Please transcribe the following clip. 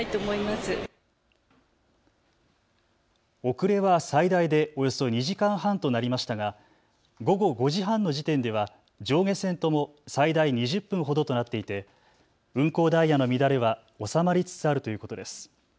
遅れは最大でおよそ２時間半となりましたが午後５時半の時点では上下線とも最大２０分ほどとなっていて運行ダイヤの乱れは収まりつつあるということです。